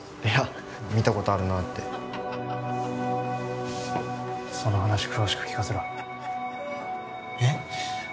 いや見たことあるなってその話詳しく聞かせろえっ？